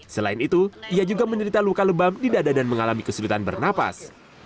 selain itu ia juga menderita luka lebam di dada dan mengalami kesulitan bernapas